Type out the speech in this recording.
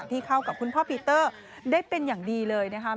เข้ากับคุณพ่อปีเตอร์ได้เป็นอย่างดีเลยนะคะ